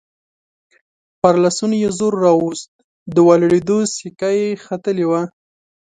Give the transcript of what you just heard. پر لاسونو يې زور راووست، د ولاړېدو سېکه يې ختلې وه.